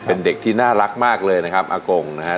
เป็นเด็กที่น่ารักมากเลยนะครับอากงนะครับ